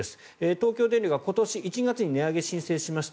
東京電力は今年１月に値上げ申請しました。